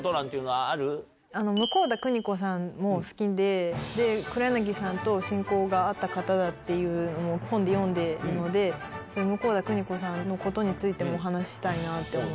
向田邦子さんも好きで黒柳さんと親交があった方だっていうのも本で読んでるので向田邦子さんのことについてもお話ししたいなって思ってます。